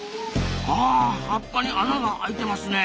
あ葉っぱに穴が開いてますね。